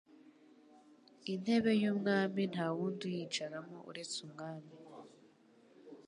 Intebe y'umwami ntawundi uyicaramo uretse umwami